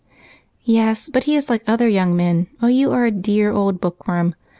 "Yes, but he is like other young men, while you are a dear old bookworm.